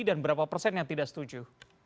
dan berapa persen yang tidak setuju